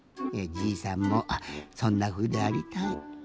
じいさんもそんなふうでありたい。